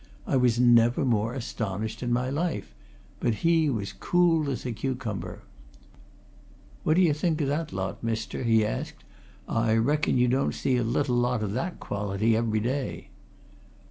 I was never more astonished in my life, but he was as cool as a cucumber. "What d'ye think o' that lot, mister?" he asked. "I reckon you don't see a little lot o' that quality every day."